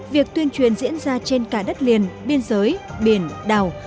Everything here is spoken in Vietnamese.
việc tuyên truyền diễn ra trên cả đất liền biên giới biển đảo